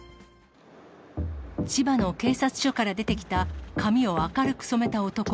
千葉の警察署から出てきた髪を明るく染めた男。